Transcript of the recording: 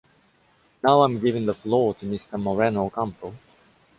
Now I’m giving the floor to Mr. Moreno Ocampo.